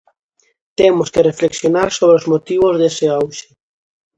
Temos que reflexionar sobre os motivos dese auxe.